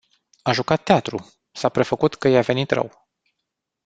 A jucat teatru, s-a prefăcut că i-a venit rău.